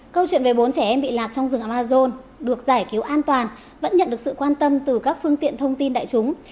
câu chuyện về bốn trẻ em bị lạc trong rừng amazon được giải cứu an toàn vẫn nhận được sự quan tâm từ các phương tiện thông tin đại chúng